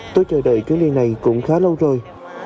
tôi chờ đợi cái nơi này cũng khá lâu rồi